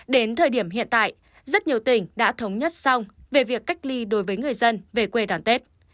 đến thời điểm hiện tại rất nhiều tỉnh đã thống nhất xong về việc cách ly đối với người dân về quê đón tết